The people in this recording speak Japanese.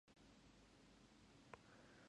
もみの木がある